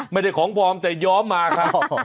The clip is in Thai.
ไม่ได้ของปลอมแต่ย้อมมาครับ